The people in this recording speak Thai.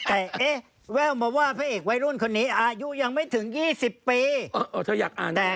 เอ๊ะแววมาว่าพระเอกวัยรุ่นคนนี้อายุยังไม่ถึง๒๐ปี